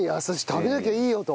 「食べなきゃいいよ」と。